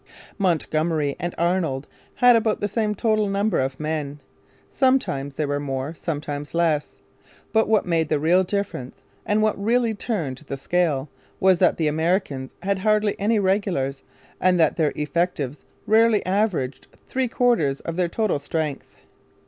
Montgomery and Arnold had about the same total number of men. Sometimes there were more, sometimes less. But what made the real difference, and what really turned the scale, was that the Americans had hardly any regulars and that their effectives rarely averaged three quarters of their total strength.